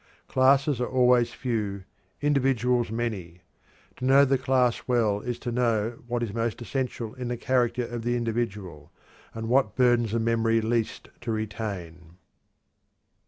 Classes are always few, individuals many; to know the class well is to know what is most essential in the character of the individual, and what burdens the memory least to retain."